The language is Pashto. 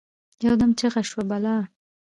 يودم چیغه شوه: «بلا!»